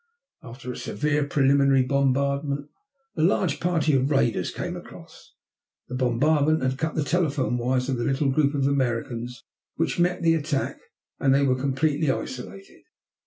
After a severe preliminary bombardment a large party of raiders came across. The bombardment had cut the telephone wires of the little group of Americans which met the attack and they were completely isolated.